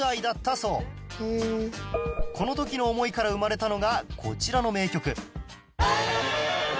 この時の思いから生まれたのがこちらの名曲